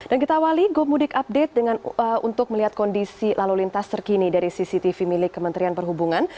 kita awali gomudik update untuk melihat kondisi lalu lintas terkini dari cctv milik kementerian perhubungan